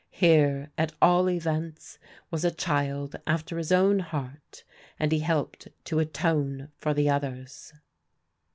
Here at all events was a child after his own heart, and he helped to atone for the others.